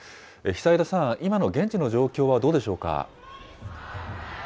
久枝さん、今の現地の状況はどうでしょうか。